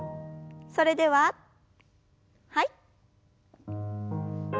それでははい。